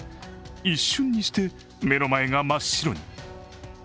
一瞬にして目の前が真っ白に。